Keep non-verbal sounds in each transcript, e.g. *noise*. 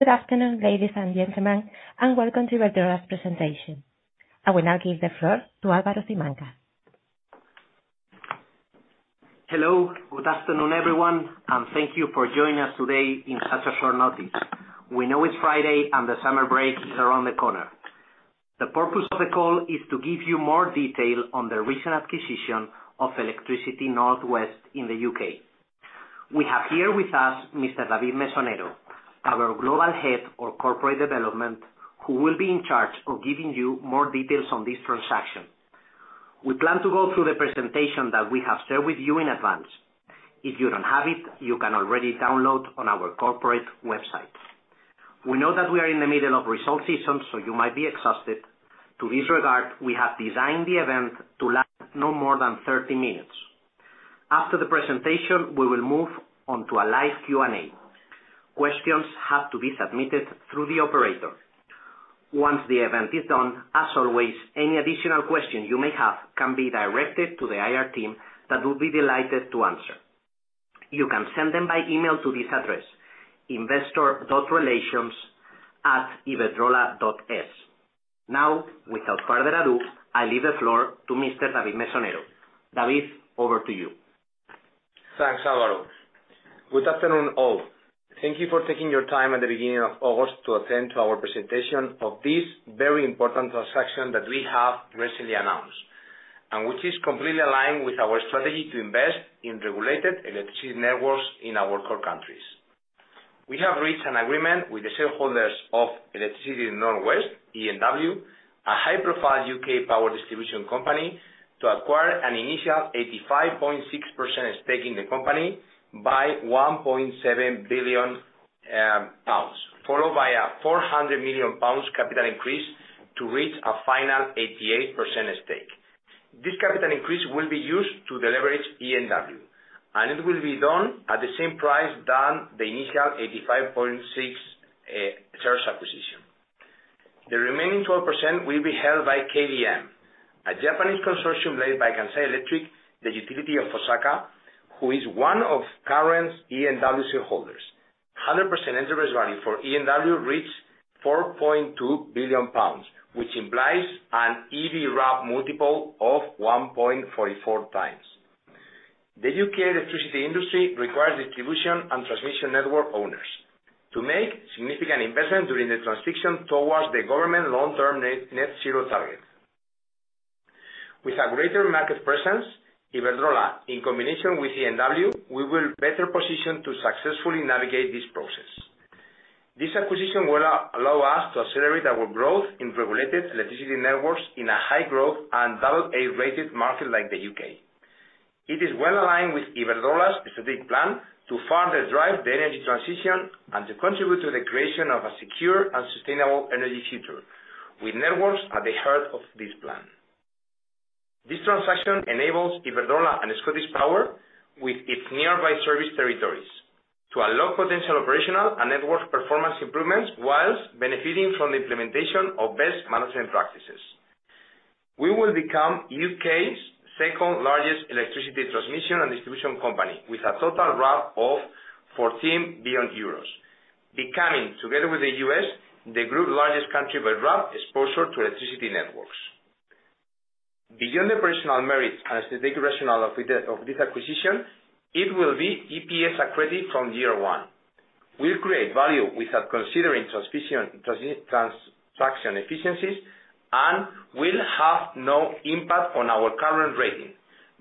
Good afternoon, ladies and gentlemen, and welcome to Iberdrola's presentation. I will now give the floor to Álvaro Simancas. Hello, good afternoon, everyone, and thank you for joining us today in such short notice. We know it's Friday, and the summer break is around the corner. The purpose of the call is to give you more detail on the recent acquisition of Electricity North West in the U.K. We have here with us Mr. David Mesonero, our Global Head of Corporate Development, who will be in charge of giving you more details on this transaction. We plan to go through the presentation that we have shared with you in advance. If you don't have it, you can already download it on our corporate website. We know that we are in the middle of the results season, so you might be exhausted. To this regard, we have designed the event to last no more than 30 minutes. After the presentation, we will move on to a live Q&A. Questions have to be submitted through the operator. Once the event is done, as always, any additional questions you may have can be directed to the IR team that will be delighted to answer. You can send them by email to this address: investor.relations@iberdrola.es. Now, without further ado, I leave the floor to Mr. David Mesonero. David, over to you. Thanks, Álvaro. Good afternoon, all. Thank you for taking your time at the beginning of August to attend our presentation of this very important transaction that we have recently announced, and which is completely aligned with our strategy to invest in regulated electricity networks in our core countries. We have reached an agreement with the shareholders of Electricity North West, ENW, a high-profile U.K. power distribution company, to acquire an initial 85.6% stake in the company by 1.7 billion pounds, followed by a 400 million pounds capital increase to reach a final 88% stake. This capital increase will be used to leverage ENW, and it will be done at the same price than the initial 85.6% shares acquisition. The remaining 12% will be held by KDM, a Japanese consortium led by Kansai Electric, the utility of Osaka, who is one of current ENW shareholders. 100% enterprise value for ENW reaches 4.2 billion pounds, which implies an EV/RAV multiple of 1.44x. The U.K. electricity industry requires distribution and transmission network owners to make significant investment during the transition towards the government long-term Net Zero target. With a greater market presence, Iberdrola, in combination with ENW, we will be better positioned to successfully navigate this process. This acquisition will allow us to accelerate our growth in regulated electricity networks in a high-growth and AA-rated market like the U.K. It is well aligned with Iberdrola's strategic plan to further drive the energy transition and to contribute to the creation of a secure and sustainable energy future, with networks at the heart of this plan. This transaction enables Iberdrola and ScottishPower with its nearby service territories to unlock potential operational and network performance improvements while benefiting from the implementation of best management practices. We will become the U.K.'s second-largest electricity transmission and distribution company, with a total RAV of 14 billion euros, becoming, together with the U.S., the group's largest country by RAV exposure to electricity networks. Beyond the personal merits and strategic rationale of this acquisition, it will be EPS accretive from year one. We'll create value without considering transaction efficiencies and will have no impact on our current rating,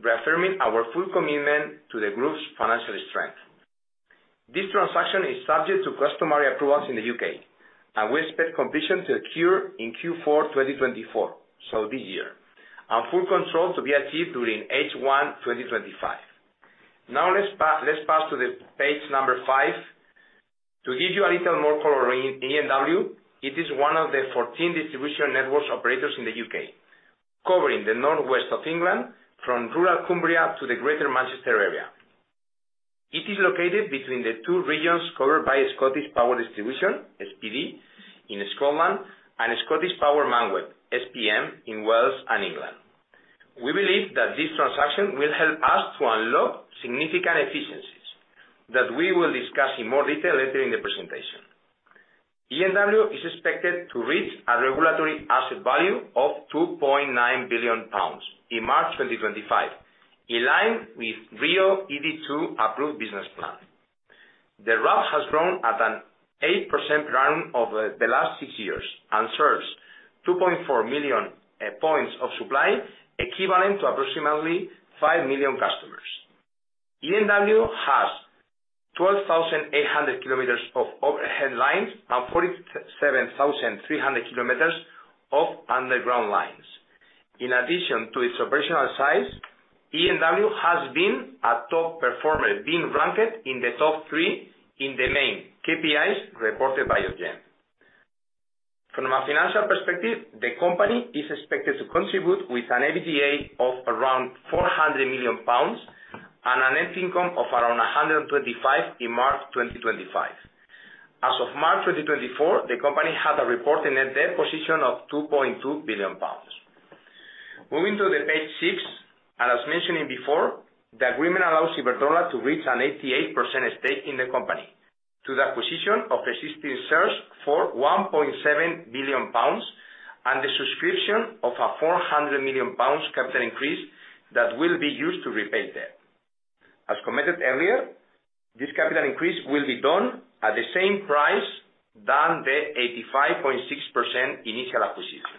reaffirming our full commitment to the group's financial strength. This transaction is subject to customary approvals in the U.K., and we expect completion to occur in Q4 2024, so this year, and full control to be achieved during H1 2025. Now, let's pass to page number five. To give you a little more color on ENW, it is one of the 14 distribution network operators in the U.K., covering the North West of England, from rural Cumbria to the Greater Manchester area. It is located between the two regions covered by ScottishPower Distribution, SPD, in Scotland, and ScottishPower Manweb, SPM, in Wales and England. We believe that this transaction will help us to unlock significant efficiencies that we will discuss in more detail later in the presentation. ENW is expected to reach a regulatory asset value of 2.9 billion pounds in March 2025, in line with RIIO-ED2 approved business plan. The RAV has grown at an 8% CAGR over the last 6 years and serves 2.4 million points of supply, equivalent to approximately 5 million customers. ENW has 12,800 kilometers of overhead lines and 47,300 kilometers of underground lines. In addition to its operational size, ENW has been a top performer, being ranked in the top 3 in the main KPIs reported by Ofgem. From a financial perspective, the company is expected to contribute with an EBITDA of around 400 million pounds and a net income of around 125 million in March 2025. As of March 2024, the company had a reported net debt position of 2.2 billion pounds. Moving to page six, and as mentioned before, the agreement allows Iberdrola to reach an 88% stake in the company through the acquisition of existing sales for 1.7 billion pounds and the subscription of a 400 million pounds capital increase that will be used to repay debt. As commented earlier, this capital increase will be done at the same price than the 85.6% initial acquisition.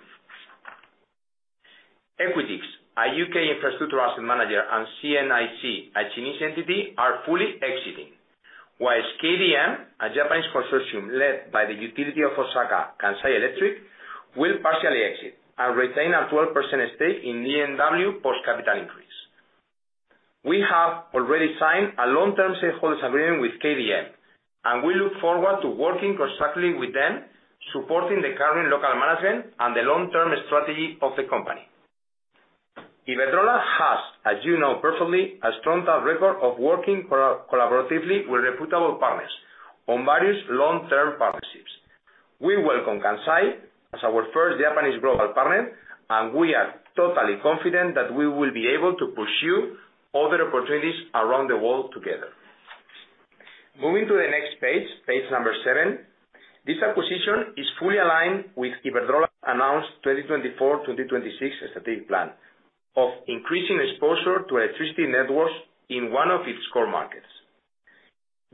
Equitix, a U.K. infrastructure asset manager, and CNIC, a Chinese entity, are fully exiting, while KDM, a Japanese consortium led by the utility of Osaka, Kansai Electric, will partially exit and retain a 12% stake in ENW post-capital increase. We have already signed a long-term shareholders' agreement with KDM, and we look forward to working closely with them, supporting the current local management and the long-term strategy of the company. Iberdrola has, as you know perfectly, a strong track record of working collaboratively with reputable partners on various long-term partnerships. We welcome Kansai as our first Japanese global partner, and we are totally confident that we will be able to pursue other opportunities around the world together. Moving to the next page, page number seven, this acquisition is fully aligned with Iberdrola's announced 2024-2026 strategic plan of increasing exposure to electricity networks in one of its core markets.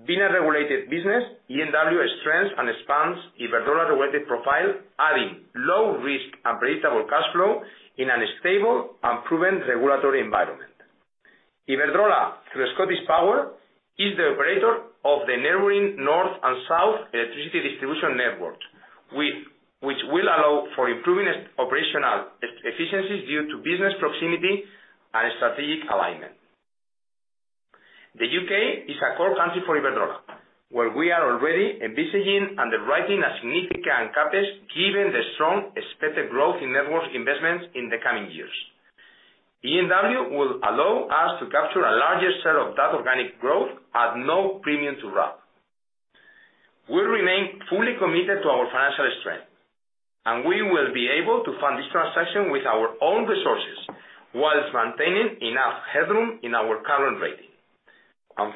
Being a regulated business, ENW strengthens and expands Iberdrola's regulated profile, adding low-risk and predictable cash flow in a stable and proven regulatory environment. Iberdrola, through ScottishPower, is the operator of the neighboring north and south electricity distribution networks, which will allow for improving operational efficiencies due to business proximity and strategic alignment. The U.K. is a core country for Iberdrola, where we are already envisaging and underwriting a significant CapEx given the strong expected growth in network investments in the coming years. ENW will allow us to capture a larger share of that organic growth at no premium to RAV. We remain fully committed to our financial strength, and we will be able to fund this transaction with our own resources whilst maintaining enough headroom in our current rating.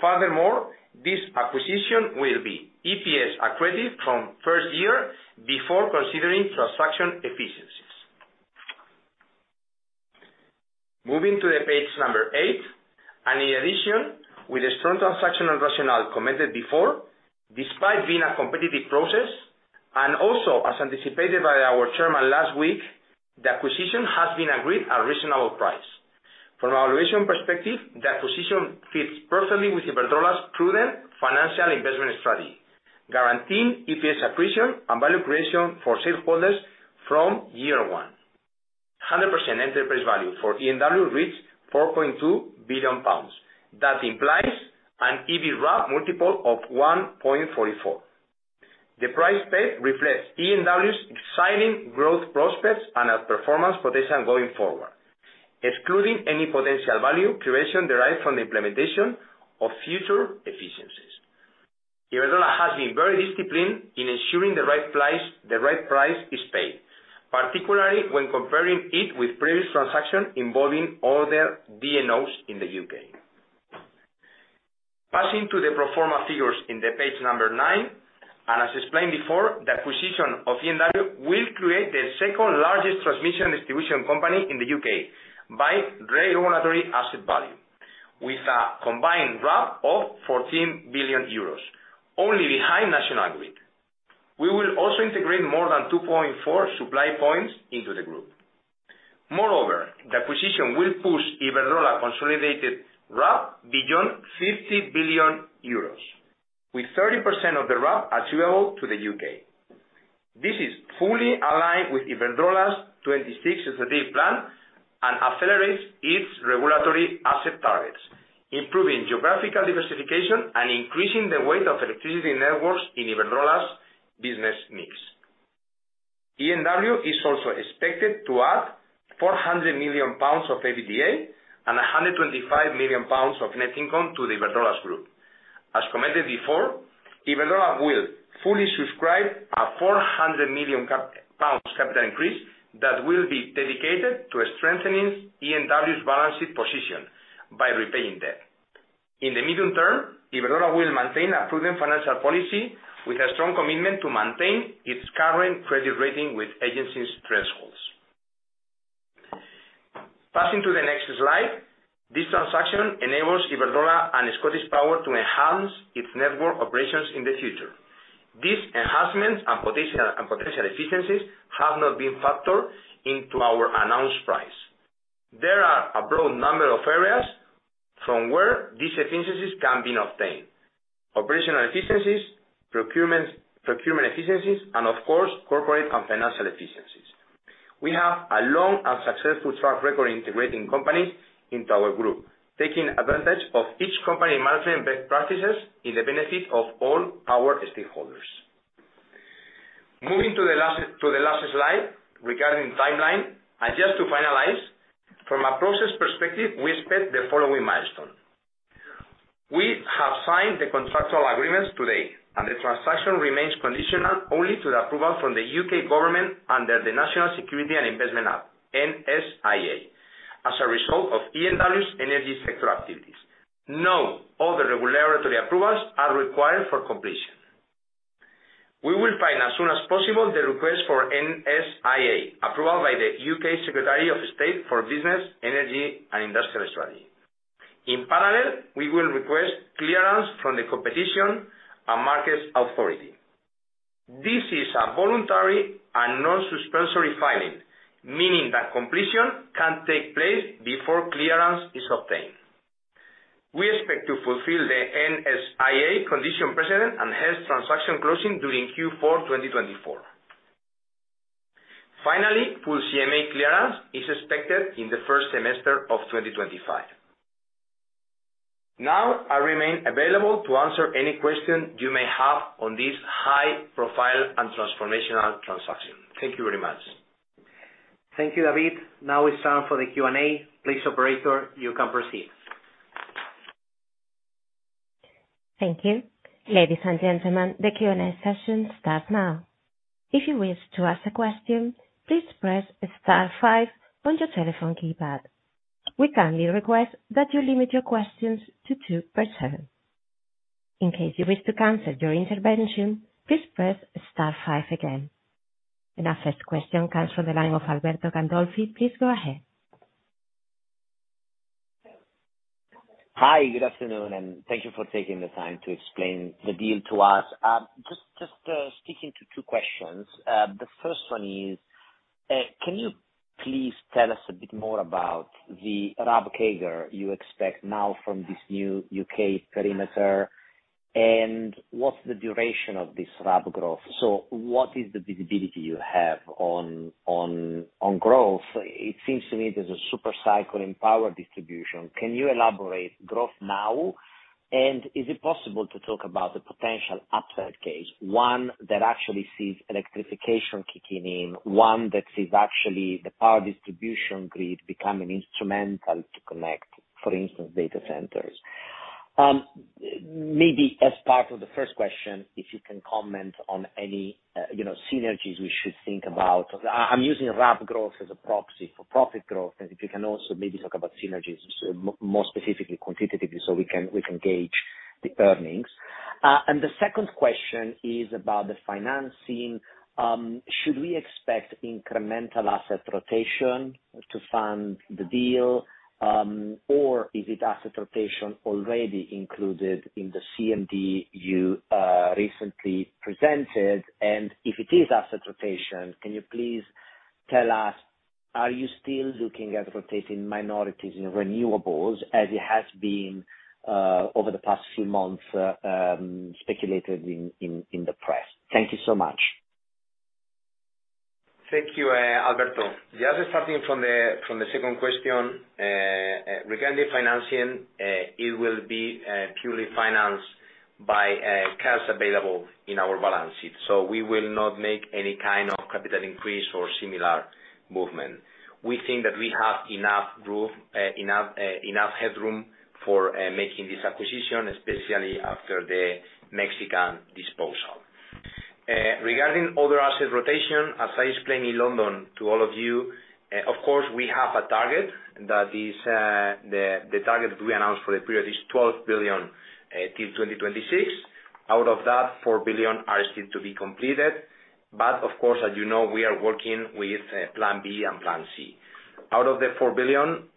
Furthermore, this acquisition will be EPS accretive from first year before considering transaction efficiencies. Moving to page number eight, in addition, with the strong transactional rationale commented before, despite being a competitive process, and also as anticipated by our chairman last week, the acquisition has been agreed at a reasonable price. From a valuation perspective, the acquisition fits perfectly with Iberdrola's prudent financial investment strategy, guaranteeing EPS accretion and value creation for shareholders from year one. 100% enterprise value for ENW reaches 4.2 billion pounds. That implies an EBITDA multiple of 1.44x. The price paid reflects ENW's exciting growth prospects and performance potential going forward, excluding any potential value creation derived from the implementation of future efficiencies. Iberdrola has been very disciplined in ensuring the right price is paid, particularly when comparing it with previous transactions involving other DNOs in the U.K Passing to the pro forma figures on page nine, and as explained before, the acquisition of ENW will create the second-largest transmission distribution company in the U.K. by regulatory asset value, with a combined RAV of 14 billion euros, only behind National Grid. We will also integrate more than 2.4 supply points into the group. Moreover, the acquisition will push Iberdrola's consolidated RAV beyond 50 billion euros, with 30% of the RAV attributable to the U.K. This is fully aligned with Iberdrola's 2026 strategic plan and accelerates its regulatory asset targets, improving geographical diversification and increasing the weight of electricity networks in Iberdrola's business mix. ENW is also expected to add 400 million pounds of EBITDA and 125 million pounds of net income to Iberdrola's group. As commented before, Iberdrola will fully subscribe to a 400 million pounds capital increase that will be dedicated to strengthening ENW's balance sheet position by repaying debt. In the medium term, Iberdrola will maintain a prudent financial policy with a strong commitment to maintain its current credit rating with agency thresholds. Passing to the next slide, this transaction enables Iberdrola and ScottishPower to enhance its network operations in the future. These enhancements and potential efficiencies have not been factored into our announced price. There are a broad number of areas from where these efficiencies can be obtained: operational efficiencies, procurement efficiencies, and, of course, corporate and financial efficiencies. We have a long and successful track record in integrating companies into our group, taking advantage of each company's management best practices in the benefit of all our stakeholders. Moving to the last slide regarding timeline, and just to finalize, from a process perspective, we expect the following milestone. We have signed the contractual agreements today, and the transaction remains conditional only to the approval from the U.K. government under the National Security and Investment Act, NSIA, as a result of ENW's energy sector activities. No other regulatory approvals are required for completion. We will find as soon as possible the request for NSIA approval by the U.K. Secretary of State for Business, Energy and Industrial Strategy. In parallel, we will request clearance from the Competition and Markets Authority. This is a voluntary and non-suspensory filing, meaning that completion can take place before clearance is obtained. We expect to fulfill the NSIA condition precedent and hence transaction closing during Q4 2024. Finally, full CMA clearance is expected in the first semester of 2025. Now, I remain available to answer any questions you may have on this high-profile and transformational transaction. Thank you very much. Thank you, David. Now it's time for the Q&A. Please, operator, you can proceed. Thank you. Ladies and gentlemen, the Q&A session starts now. If you wish to ask a question, please press star five on your telephone keypad. We kindly request that you limit your questions to two per se. In case you wish to cancel your intervention, please press star five again. Our first question comes from the line of Alberto Gandolfi. Please go ahead. Hi, good afternoon, and thank you for taking the time to explain the deal to us. Just speaking to two questions. The first one is, can you please tell us a bit more about the RAV CAGR you expect now from this new U.K. perimeter, and what's the duration of this RAV growth? So what is the visibility you have on growth? It seems to me there's a super cycle in power distribution. Can you elaborate growth now? And is it possible to talk about the potential upside case, one that actually sees electrification kicking in, one that sees actually the power distribution grid becoming instrumental to connect, for instance, data centers? Maybe as part of the first question, if you can comment on any synergies we should think about. I'm using RAV growth as a proxy for profit growth, and if you can also maybe talk about synergies, more specifically quantitatively, so we can gauge the earnings. And the second question is about the financing. Should we expect incremental asset rotation to fund the deal, or is it asset rotation already included in the CMD you recently presented? And if it is asset rotation, can you please tell us, are you still looking at rotating minorities in renewables as it has been over the past few months speculated in the press? Thank you so much. Thank you, Alberto. Just starting from the second question, regarding the financing, it will be purely financed by cash available in our balance sheet. So we will not make any kind of capital increase or similar movement. We think that we have enough headroom for making this acquisition, especially after the Mexican disposal. Regarding other asset rotation, as I explained in London to all of you, of course, we have a target that is the target that we announced for the period is 12 billion till 2026. Out of that, 4 billion are still to be completed. But of course, as you know, we are working with Plan B and Plan C. Out of the 4 billion,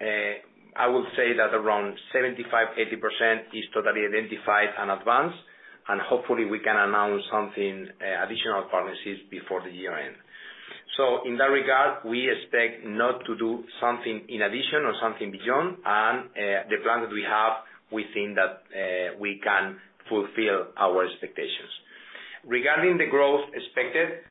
I would say that around 75%-80% is totally identified and advanced, and hopefully we can announce additional disposals before the year end. So in that regard, we expect not to do something in addition or something beyond, and the plan that we have, we think that we can fulfill our expectations. Regarding the growth expected,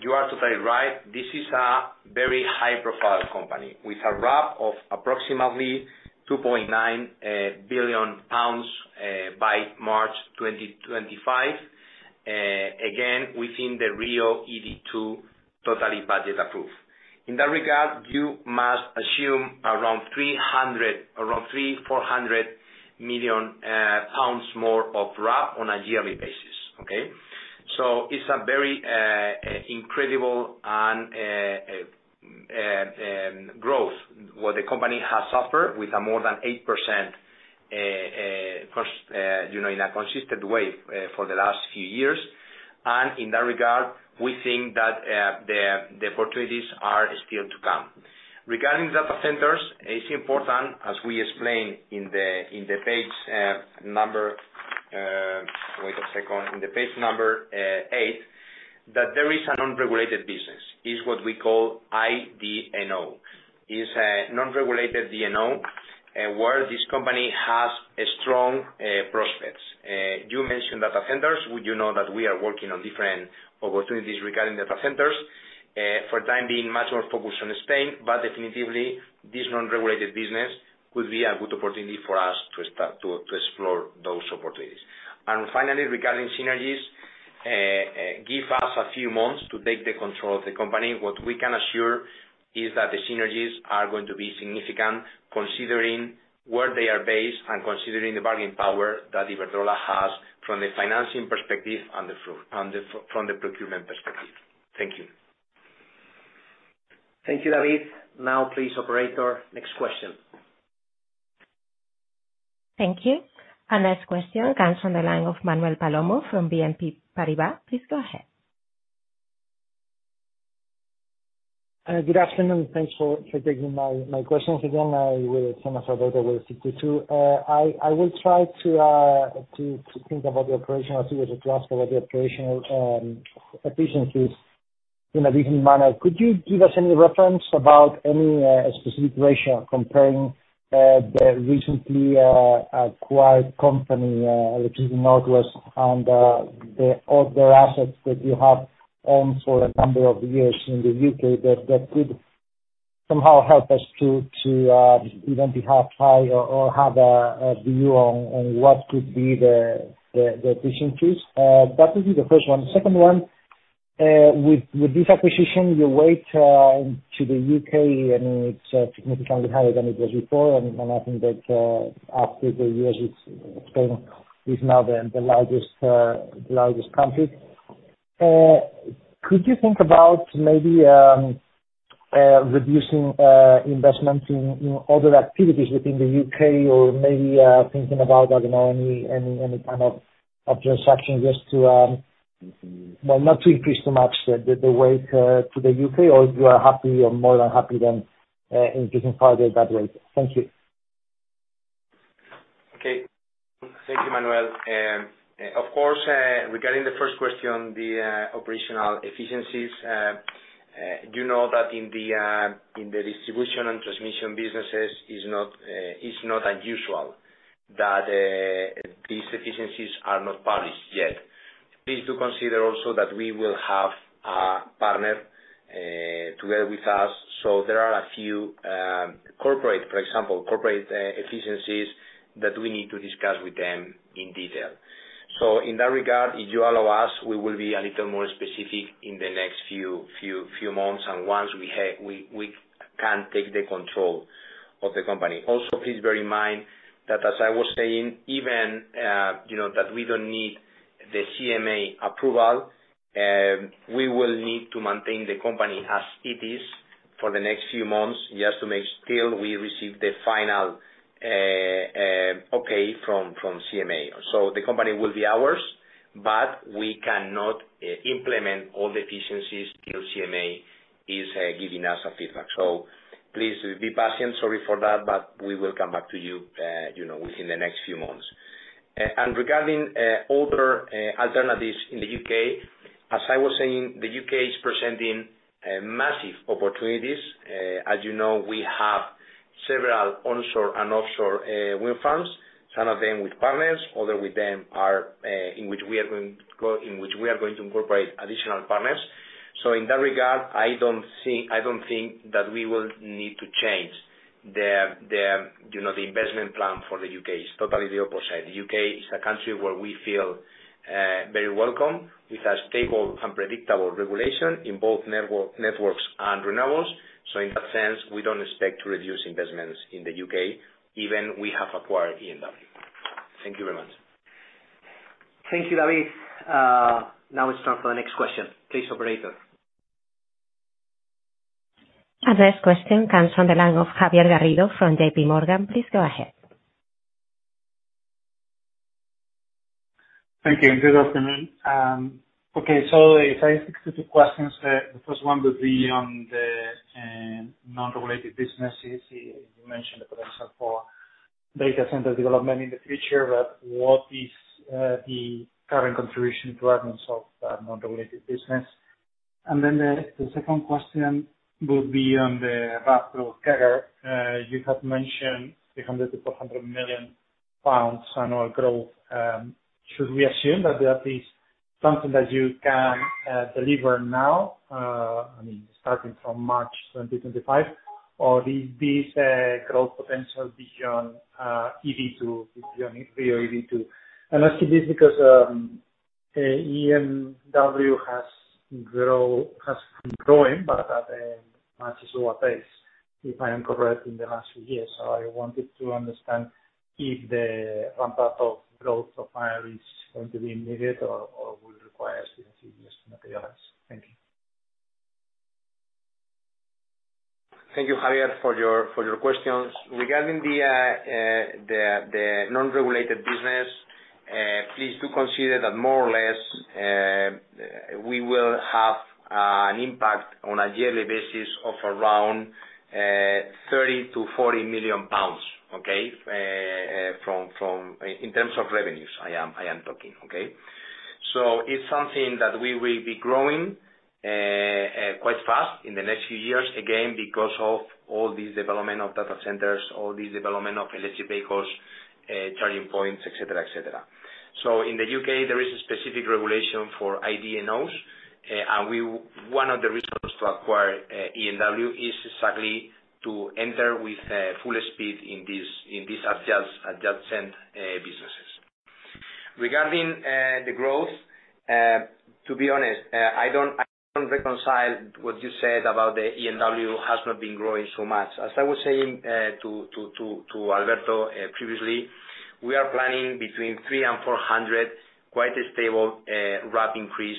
you are totally right. This is a very high-profile company with a RAV of approximately 2.9 billion pounds by March 2025, again within the RIIO-ED2 totally budget approved. In that regard, you must assume around 300 million-400 million pounds more of RAV on a yearly basis, okay? So it's a very incredible growth. What the company has suffered with more than 8% in a consistent way for the last few years. And in that regard, we think that the opportunities are still to come. Regarding data centers, it's important, as we explained in the page number wait a second, in the page number eight, that there is a non-regulated business. It's what we call IDNO. It's a non-regulated DNO where this company has strong prospects. You mentioned data centers. Would you know that we are working on different opportunities regarding data centers? For the time being, much more focused on Spain, but definitely this non-regulated business could be a good opportunity for us to explore those opportunities. And finally, regarding synergies, give us a few months to take control of the company. What we can assure is that the synergies are going to be significant considering where they are based and considering the bargaining power that Iberdrola has from the financing perspective and from the procurement perspective. Thank you. Thank you, David. Now, please, operator, next question. Thank you. And next question comes from the line of Manuel Palomo from BNP Paribas. Please go ahead. Good afternoon. Thanks for taking my questions again. I will *audio distortion* I will try to think about the operational. I was just asked about the operational efficiencies in a different manner. Could you give us any reference about any specific ratio comparing the recently acquired company Electricity North West and their assets that you have owned for a number of years in the U.K. that could somehow help us to identify or have a view on what could be the efficiencies? That would be the first one. The second one, with this acquisition, your weight to the U.K., and it's significantly higher than it was before. And I think that after the U.S., Spain is now the largest country. Could you think about maybe reducing investments in other activities within the U.K. or maybe thinking about, I don't know, any kind of transaction just to, well, not to increase too much the weight to the U.K., or you are happy or more than happy than increasing further that weight? Thank you. Okay. Thank you, Manuel. Of course, regarding the first question, the operational efficiencies, you know that in the distribution and transmission businesses it's not unusual that these efficiencies are not published yet. Please do consider also that we will have a partner together with us. So there are a few corporate, for example, corporate efficiencies that we need to discuss with them in detail. So in that regard, if you allow us, we will be a little more specific in the next few months, and once we can take the control of the company. Also, please bear in mind that, as I was saying, even that we don't need the CMA approval, we will need to maintain the company as it is for the next few months just to make sure we receive the final okay from CMA. So the company will be ours, but we cannot implement all the efficiencies till CMA is giving us a feedback. So please be patient. Sorry for that, but we will come back to you within the next few months. And regarding other alternatives in the U.K., as I was saying, the U.K. is presenting massive opportunities. As you know, we have several onshore and offshore wind farms, some of them with partners, others with them in which we are going to incorporate additional partners. So in that regard, I don't think that we will need to change the investment plan for the U.K It's totally the opposite. The U.K. is a country where we feel very welcome with a stable and predictable regulation in both networks and renewables. So in that sense, we don't expect to reduce investments in the U.K., even we have acquired ENW. Thank you very much. Thank you, David. Now it's time for the next question. Please, operator. And the next question comes from the line of Javier Garrido from JPMorgan. Please go ahead. Thank you. Good afternoon. Okay. So if I ask you two questions, the first one would be on the non-regulated businesses. You mentioned the potential for data center development in the future, but what is the current contribution to EBITDA of non-regulated business? And then the second question would be on the RAV growth CAGR. You have mentioned 300 million-400 million pounds annual growth. Should we assume that that is something that you can deliver now, I mean, starting from March 2025, or is this growth potential beyond ED2, beyond RIIO-ED2? And I ask you this because ENW has been growing, but at a much slower pace, if I am correct, in the last few years. So I wanted to understand if the ramp-up of growth of IR is going to be immediate or will require a few years to materialize. Thank you. Thank you, Javier, for your questions. Regarding the non-regulated business, please do consider that more or less we will have an impact on a yearly basis of around 30 million-40 million pounds, okay, in terms of revenues, I am talking, okay? So it's something that we will be growing quite fast in the next few years, again, because of all this development of data centers, all this development of electric vehicles, charging points, etc., etc. So in the U.K., there is a specific regulation for IDNOs, and one of the reasons to acquire ENW is exactly to enter with full speed in these adjacent businesses. Regarding the growth, to be honest, I don't reconcile what you said about the ENW has not been growing so much. As I was saying to Alberto previously, we are planning between 300 million-400 million, quite a stable RAV increase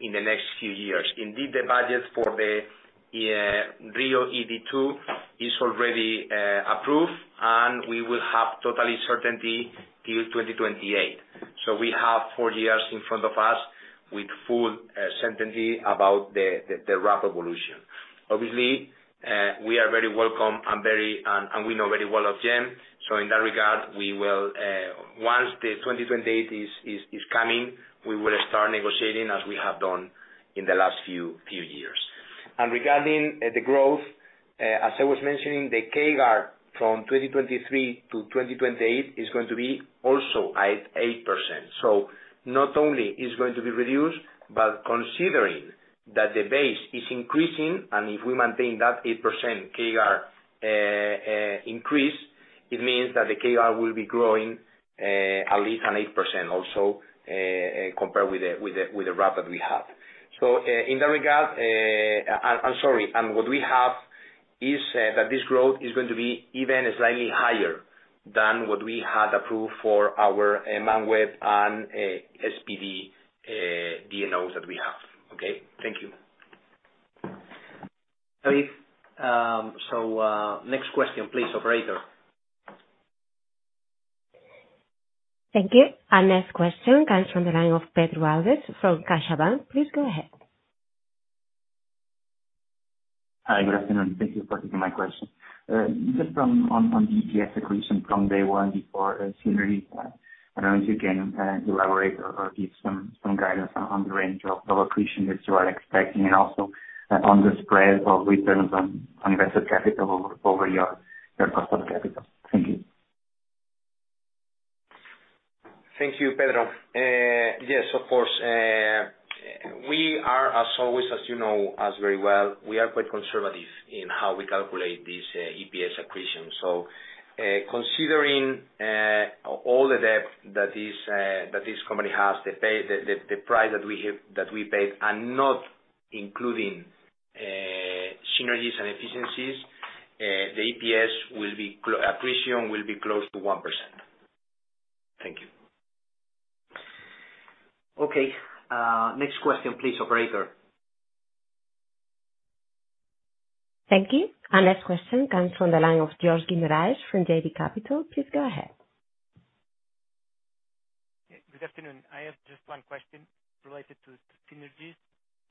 in the next few years. Indeed, the budget for the RIIO-ED2 is already approved, and we will have totally certainty till 2028. So we have four years in front of us with full certainty about the RAV evolution. Obviously, we are very welcome, and we know very well of them. So in that regard, once the 2028 is coming, we will start negotiating as we have done in the last few years. And regarding the growth, as I was mentioning, the CAGR from 2023 to 2028 is going to be also at 8%. So not only is it going to be reduced, but considering that the base is increasing, and if we maintain that 8% CAGR increase, it means that the CAGR will be growing at least an 8% also compared with the RAV that we have. So in that regard, and sorry, and what we have is that this growth is going to be even slightly higher than what we had approved for our Manweb and SPD DNOs that we have, okay? Thank you. So next question, please, operator. Thank you. The next question comes from the line of Pedro Alves from CaixaBank. Please go ahead. Hi, good afternoon. Thank you for taking my question. Just on the EPS accretion from day one before synergies, I don't know if you can elaborate or give some guidance on the range of accretion that you are expecting and also on the spread of returns on invested capital over your cost of capital. Thank you. Thank you, Pedro. Yes, of course. We are, as always, as you know very well, we are quite conservative in how we calculate this EPS accretion. So considering all the debt that this company has, the price that we paid, and not including synergies and efficiencies, the EPS accretion will be close to 1%. Thank you. Okay. Next question, please, operator. Thank you. The next question comes from the line of Jorge Guimarães from JB Capital. Please go ahead. Good afternoon. I have just one question related to synergies.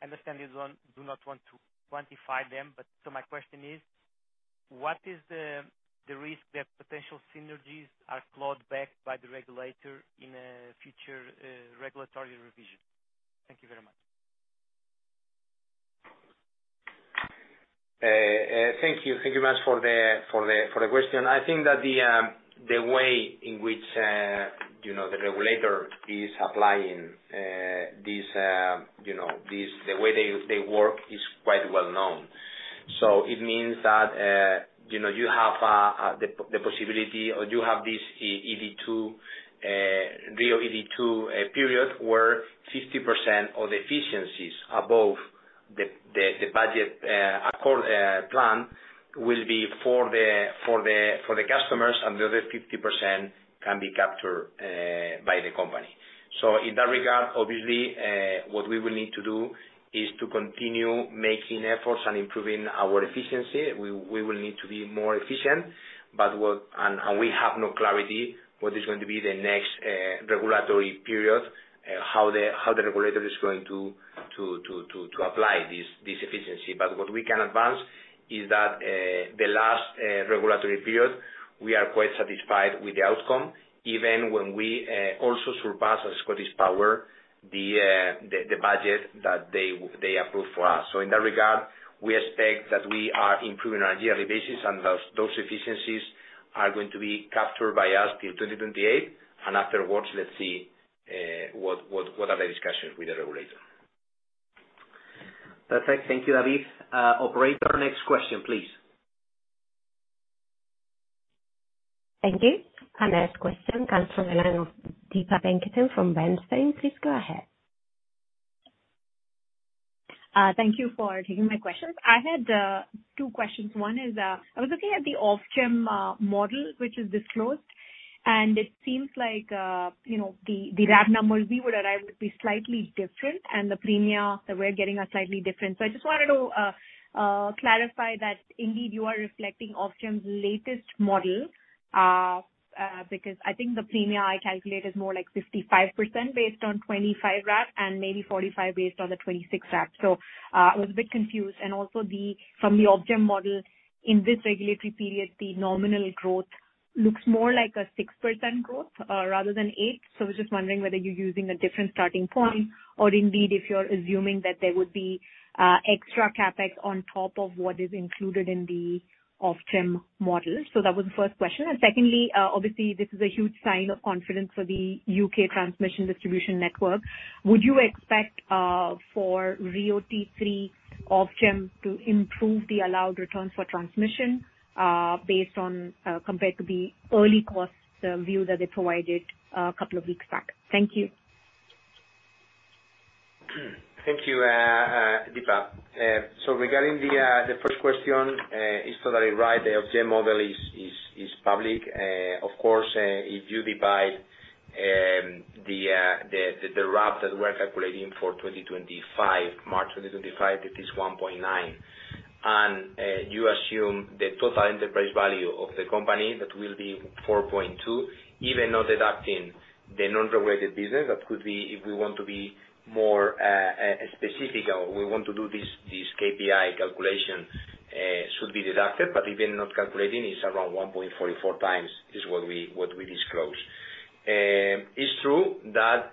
I understand you do not want to quantify them, but my question is, what is the risk that potential synergies are clawed back by the regulator in a future regulatory revision? Thank you very much. Thank you. Thank you very much for the question. I think that the way in which the regulator is applying this, the way they work is quite well known. So it means that you have the possibility or you have this RIIO-ED2 period where 50% of the efficiencies above the budget plan will be for the customers, and the other 50% can be captured by the company. So in that regard, obviously, what we will need to do is to continue making efforts and improving our efficiency. We will need to be more efficient, and we have no clarity what is going to be the next regulatory period, how the regulator is going to apply this efficiency. But what we can advance is that the last regulatory period, we are quite satisfied with the outcome, even when we also surpass, as ScottishPower, the budget that they approved for us. So in that regard, we expect that we are improving on a yearly basis, and those efficiencies are going to be captured by us till 2028. Afterwards, let's see what are the discussions with the regulator. Perfect. Thank you, David. Operator, next question, please. Thank you. The next question comes from the line of Deepa Venkateswaran from Bernstein. Please go ahead. Thank you for taking my questions. I had two questions. One is, I was looking at the Ofgem model which is disclosed, and it seems like the RAV numbers we would arrive would be slightly different, and the premium that we're getting is slightly different. So I just wanted to clarify that indeed you are reflecting Ofgem's latest model because I think the premium I calculate is more like 55% based on 2025 RAV and maybe 45% based on the 2026 RAV. So I was a bit confused. And also, from the Ofgem model, in this regulatory period, the nominal growth looks more like a 6% growth rather than 8%. So I was just wondering whether you're using a different starting point or indeed if you're assuming that there would be extra CapEx on top of what is included in the Ofgem model. So that was the first question. And secondly, obviously, this is a huge sign of confidence for the U.K. Transmission Distribution Network. Would you expect for RIIO-T3 Ofgem to improve the allowed returns for transmission based on compared to the early cost view that they provided a couple of weeks back? Thank you. Thank you, Deepa. So regarding the first question, it's totally right. The Ofgem model is public. Of course, if you divide the RAV that we're calculating for 2025, March 2025, it is 1.9. And you assume the total enterprise value of the company that will be 4.2, even not deducting the non-regulated business. That could be if we want to be more specific or we want to do this KPI calculation, it should be deducted, but even not calculating, it's around 1.44 times is what we disclose. It's true that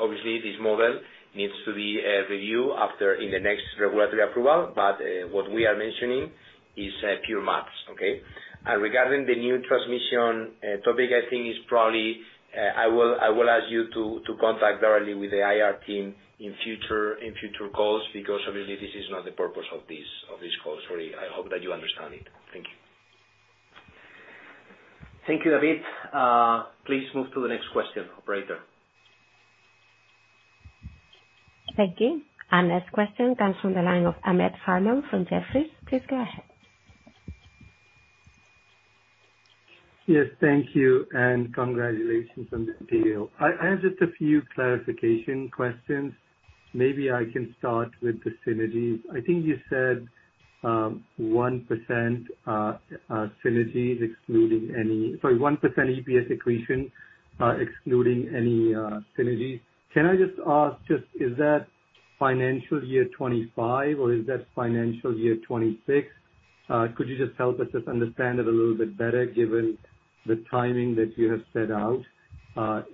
obviously this model needs to be reviewed after in the next regulatory approval, but what we are mentioning is pure maths, okay? And regarding the new transmission topic, I think it's probably I will ask you to contact directly with the IR team in future calls because obviously this is not the purpose of this call. Sorry, I hope that you understand it. Thank you. Thank you, David. Please move to the next question, operator. Thank you. And the next question comes from the line of Ahmed Farman from Jefferies. Please go ahead. Yes, thank you. And congratulations on the material. I have just a few clarification questions. Maybe I can start with the synergies. I think you said 1% synergies, excluding any sorry, 1% EPS accretion, excluding any synergies. Can I just ask, is that financial year 2025, or is that financial year 2026? Could you just help us just understand it a little bit better given the timing that you have set out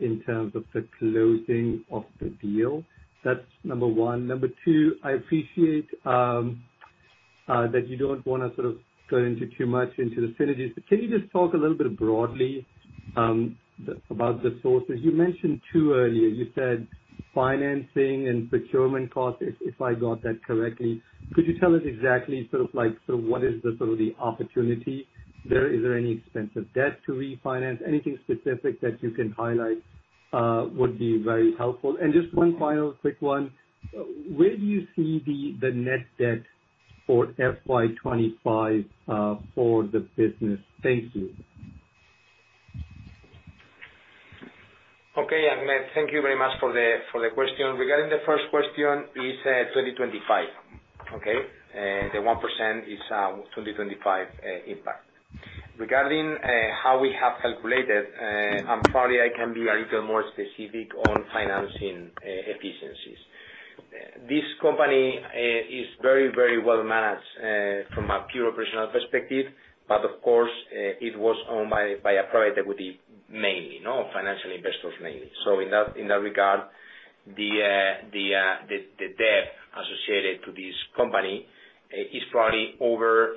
in terms of the closing of the deal? That's number one. Number two, I appreciate that you don't want to sort of go into too much into the synergies. But can you just talk a little bit broadly about the sources? You mentioned two earlier. You said financing and procurement costs, if I got that correctly. Could you tell us exactly sort of what is the sort of the opportunity there? Is there any expensive debt to refinance? Anything specific that you can highlight would be very helpful. And just one final quick one. Where do you see the net debt for FY 2025 for the business? Thank you. Okay. Ahmed, thank you very much for the question. Regarding the first question, it's 2025, okay? The 1% is 2025 impact. Regarding how we have calculated, and probably I can be a little more specific on financing efficiencies. This company is very, very well managed from a pure operational perspective, but of course, it was owned by a private equity mainly, financial investors mainly. So in that regard, the debt associated to this company is probably over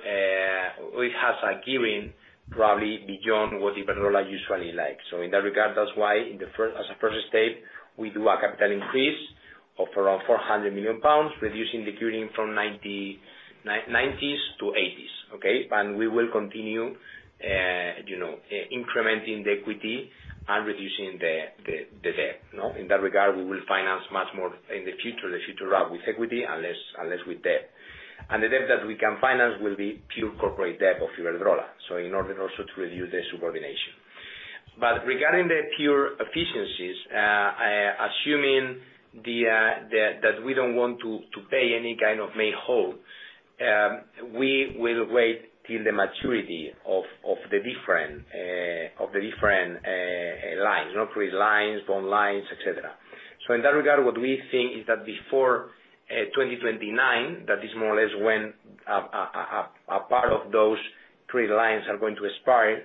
or it has a gearing probably beyond what Iberdrola usually likes. So in that regard, that's why as a first stage, we do a capital increase of around 400 million pounds, reducing the gearing from 90% to 80%, okay? And we will continue incrementing the equity and reducing the debt. In that regard, we will finance much more in the future, the future RAV with equity unless with debt. And the debt that we can finance will be pure corporate debt of Iberdrola, so in order also to reduce the subordination. But regarding the pure efficiencies, assuming that we don't want to pay any kind of make-whole, we will wait till the maturity of the different lines, not trade lines, bond lines, etc. So in that regard, what we think is that before 2029, that is more or less when a part of those trade lines are going to expire,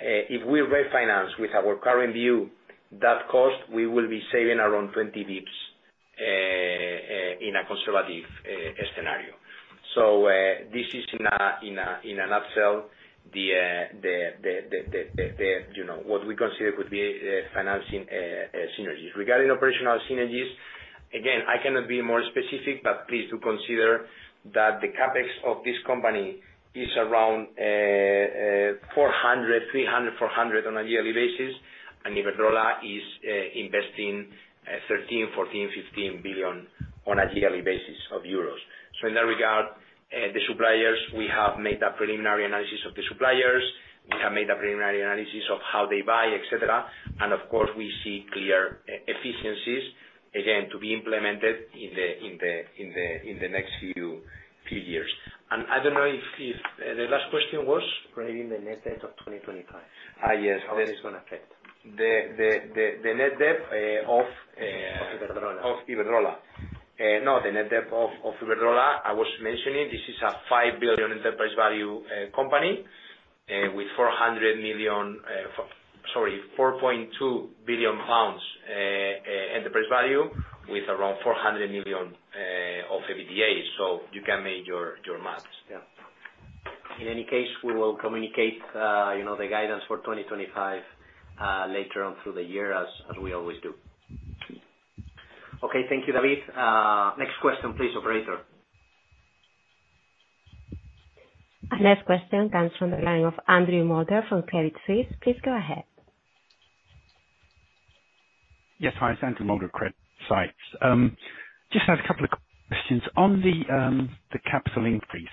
if we refinance with our current view, that cost, we will be saving around 20 basis points in a conservative scenario. So this is in a nutshell what we consider could be financing synergies. Regarding operational synergies, again, I cannot be more specific, but please do consider that the CapEx of this company is around 300 million-400 million on a yearly basis, and Iberdrola is investing 13 billion-15 billion on a yearly basis. So in that regard, the suppliers, we have made a preliminary analysis of the suppliers. We have made a preliminary analysis of how they buy, etc. Of course, we see clear efficiencies, again, to be implemented in the next few years. I don't know if the last question was relating the net debt of 2025. How is this going to affect? The net debt of Iberdrola? Of Iberdrola. No, the net debt of Iberdrola, I was mentioning, this is a 5 billion enterprise value company with 400 million sorry, 4.2 billion pounds enterprise value with around 400 million of EBITDA. So you can make your maths. Yeah. In any case, we will communicate the guidance for 2025 later on through the year as we always do. Okay. Thank you, David. Next question, please, operator. The next question comes from the line of Andrew Moulder from CreditSights. Please go ahead. Yes, hi. It's Andrew Moulder from CreditSights. Just had a couple of questions on the capital increase.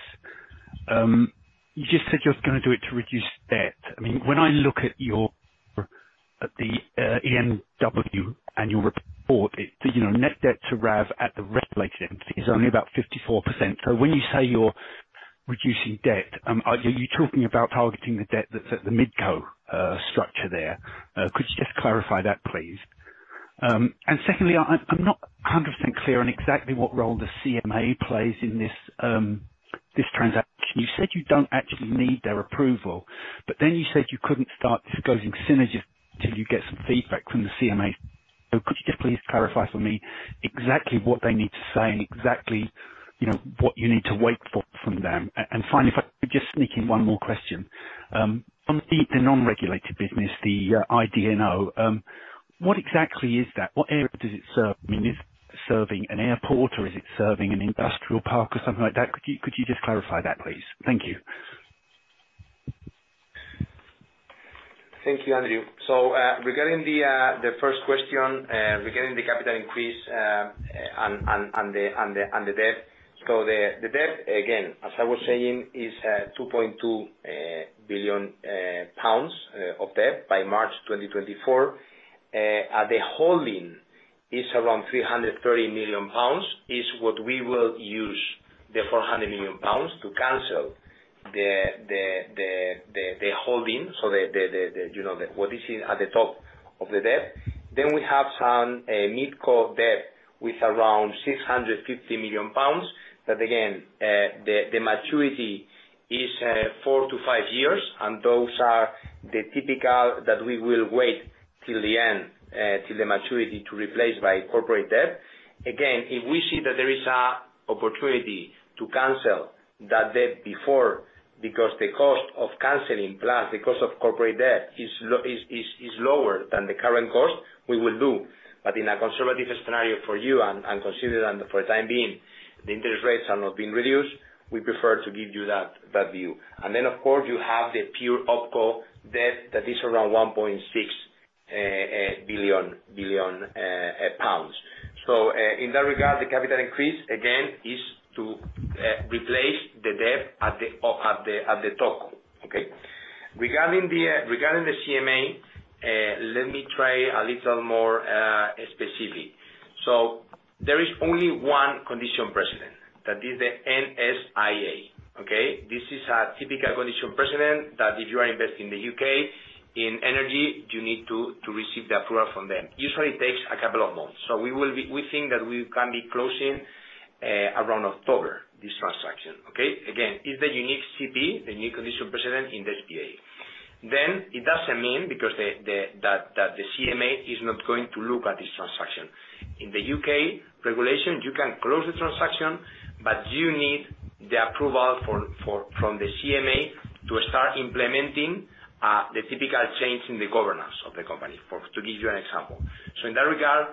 You just said you're going to do it to reduce debt. I mean, when I look at the ENW annual report, net debt to RAV at the regulated entity is only about 54%. So when you say you're reducing debt, are you talking about targeting the debt that's at the MidCo structure there? Could you just clarify that, please? And secondly, I'm not 100% clear on exactly what role the CMA plays in this transaction. You said you don't actually need their approval, but then you said you couldn't start disclosing synergies until you get some feedback from the CMA. So could you just please clarify for me exactly what they need to say and exactly what you need to wait for from them? And finally, if I could just sneak in one more question? The non-regulated business, the IDNO, what exactly is that? What area does it serve? I mean, is it serving an airport, or is it serving an industrial park or something like that? Could you just clarify that, please? Thank you. Thank you, Andrew. So regarding the first question, regarding the capital increase and the debt, so the debt, again, as I was saying, is 2.2 billion pounds of debt by March 2024. The holding is around 330 million pounds, is what we will use the 400 million pounds to cancel the holding, so what is at the top of the debt. Then we have some MidCo debt with around 650 million pounds that, again, the maturity is 4-5 years, and those are the typical that we will wait till the end, till the maturity to replace by corporate debt. Again, if we see that there is an opportunity to cancel that debt before because the cost of canceling plus the cost of corporate debt is lower than the current cost, we will do. But in a conservative scenario for you and consider that for the time being, the interest rates are not being reduced, we prefer to give you that view. And then, of course, you have the pure OpCo debt that is around 1.6 billion pounds. So in that regard, the capital increase, again, is to replace the debt at the top, okay? Regarding the CMA, let me try a little more specific. So there is only one condition precedent, that is the NSIA, okay? This is a typical condition precedent that if you are investing in the U.K. in energy, you need to receive the approval from them. Usually, it takes a couple of months. So we think that we can be closing around October, this transaction, okay? Again, it's the unique CP, the unique condition precedent in the SPA. Then it doesn't mean because the CMA is not going to look at this transaction. In the U.K. regulation, you can close the transaction, but you need the approval from the CMA to start implementing the typical change in the governance of the company, to give you an example. So in that regard,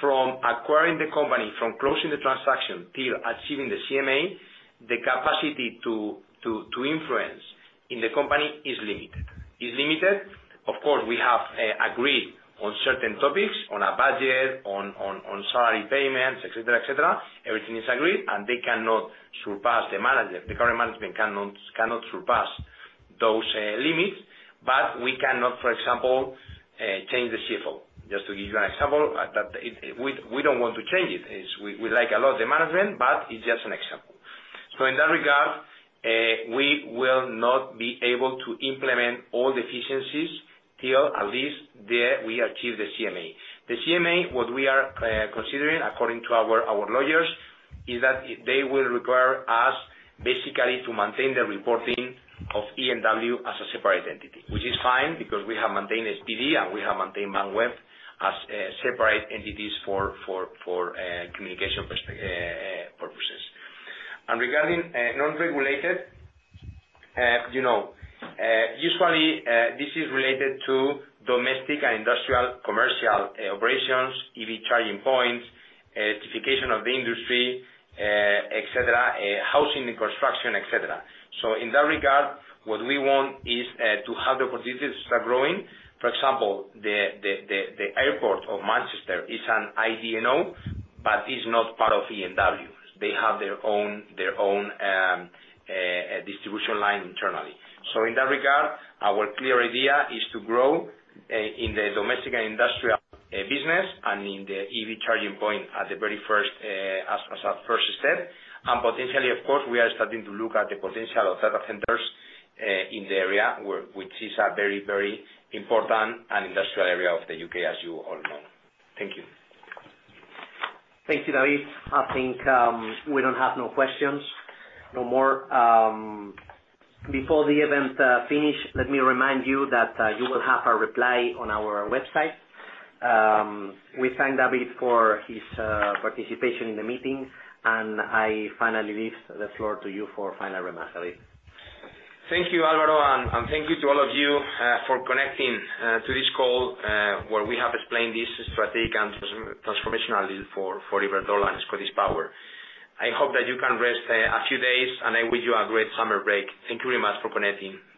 from acquiring the company, from closing the transaction till achieving the CMA, the capacity to influence in the company is limited. It's limited. Of course, we have agreed on certain topics, on a budget, on salary payments, etc., etc. Everything is agreed, and they cannot surpass the manager. The current management cannot surpass those limits, but we cannot, for example, change the CFO. Just to give you an example, we don't want to change it. We like a lot the management, but it's just an example. So in that regard, we will not be able to implement all the efficiencies till at least we achieve the CMA. The CMA, what we are considering according to our lawyers, is that they will require us basically to maintain the reporting of ENW as a separate entity, which is fine because we have maintained SPD and we have maintained Manweb as separate entities for communication purposes. And regarding non-regulated, usually this is related to domestic and industrial commercial operations, EV charging points, electrification of the industry, etc., housing and construction, etc. So in that regard, what we want is to have the opportunity to start growing. For example, the airport of Manchester is an IDNO, but it's not part of ENW. They have their own distribution line internally. So in that regard, our clear idea is to grow in the domestic and industrial business and in the EV charging point as a first step. And potentially, of course, we are starting to look at the potential of data centers in the area, which is a very, very important and industrial area of the U.K., as you all know. Thank you. Thank you, David. I think we don't have no questions no more. Before the event finishes, let me remind you that you will have a replay on our website. We thank David for his participation in the meeting, and I finally leave the floor to you for final remarks, David. Thank you, Álvaro, and thank you to all of you for connecting to this call where we have explained this strategic and transformational deal for Iberdrola and ScottishPower. I hope that you can rest a few days, and I wish you a great summer break. Thank you very much for connecting.